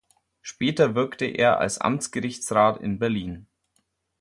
Später wirkte er als Amtsgerichtsrat in Berlin.